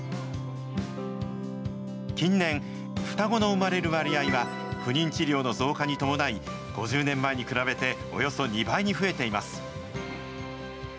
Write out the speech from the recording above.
近年、双子の産まれる割合は、不妊治療の増加に伴い、５０年前に比べておよそ２倍に増えています。